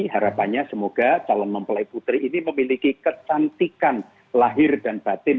harapannya semoga calon mempelai putri ini memiliki kecantikan lahir dan batin